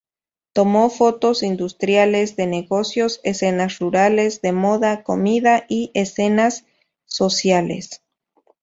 Tomó fotos industriales, de negocios, escenas rurales, de moda, comida y escenas sociales.